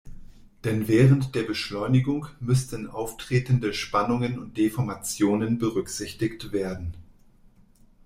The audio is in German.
Denn während der Beschleunigung müssten auftretende Spannungen und Deformationen berücksichtigt werden.